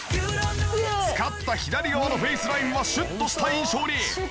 使った左側のフェイスラインはシュッとした印象に！